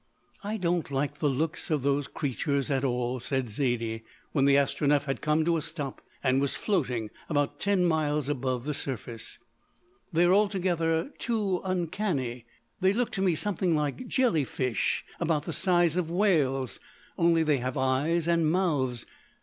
"I don't like the look of those creatures at all," said Zaidie, when the Astronef had come to a stop and was floating about ten miles above the surface. "They're altogether too uncanny. They look to me something like jelly fish about the size of whales, only they have eyes and mouths.